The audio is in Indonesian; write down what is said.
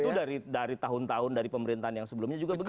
itu dari tahun tahun dari pemerintahan yang sebelumnya juga begitu